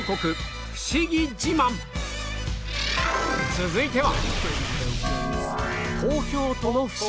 続いては